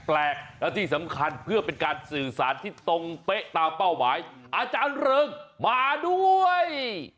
แล้วที่สำคัญเพื่อเป็นการสื่อสารที่ตรงเป๊ะตามเป้าหมายอาจารย์เริงมาด้วย